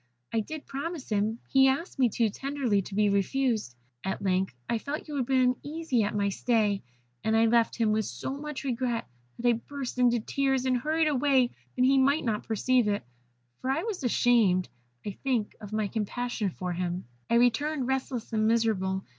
I did promise him he asked me too tenderly to be refused. At length I felt you would be uneasy at my stay, and I left him with so much regret that I burst into tears, and hurried away that he might not perceive it, for I was ashamed, I think, of my compassion for him. "I returned, restless and miserable.